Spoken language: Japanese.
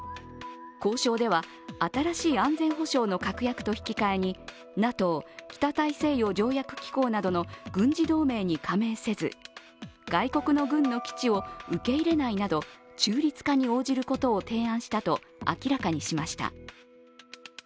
交渉では新しい安全保障の確約と引き換えにＮＡＴＯ＝北大西洋条約機構などの軍事同盟に加盟せず外国の軍の基地を受け入れないなど中立化に応じることを提案したと、明らかにしました。